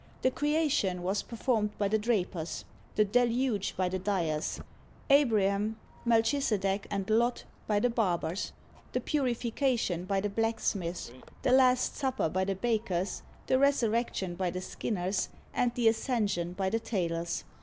"The Creation" was performed by the Drapers; the "Deluge" by the Dyers; "Abraham, Melchisedech, and Lot," by the Barbers; "The Purification" by the Blacksmiths; "The Last Supper" by the Bakers; the "Resurrection" by the Skinners; and the "Ascension" by the Tailors.